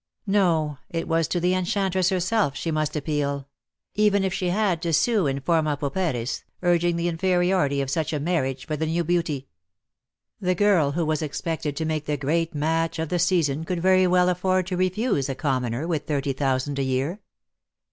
No! It was to the enchantress herself she must appeal: even if she had to sue in forma pauperis. DEAD LOVE HAS CHAINS, '155 urging the inferiority of such a marriage for the new beauty. The girl who was expected to make the great match of the season could very well afford to refuse a commoner with thirty thousand a year.